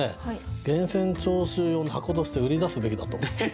源泉徴収用の箱として売り出すべきだと思うんです。